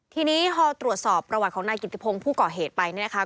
ทีนี้พอตรวจสอบประวัติของนายกิติพงศ์ผู้ก่อเหตุไปเนี่ยนะคะ